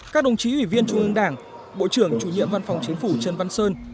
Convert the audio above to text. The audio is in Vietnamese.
các đồng chí ủy viên trung ương đảng bộ trưởng chủ nhiệm văn phòng chính phủ trần văn sơn